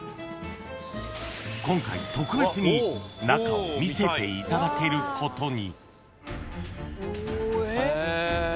［今回特別に中を見せていただけることに］